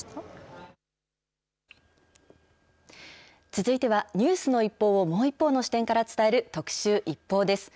続いてはニュースの一報をもう一方の視点から伝える特集、ＩＰＰＯＵです。